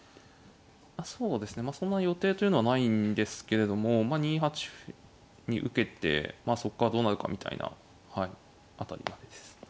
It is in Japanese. そうですねまあそんな予定というのはないんですけれどもまあ２八歩に受けてそこからどうなるかみたいなはい辺りまでです。